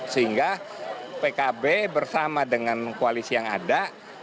sehingga pkb bersama dengan koalisi yang ada